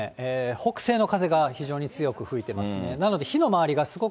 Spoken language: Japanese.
北西の風が非常に強く吹いてますね。